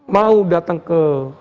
mau datang ke